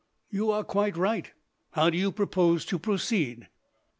"You are quite right. How do you propose to proceed?"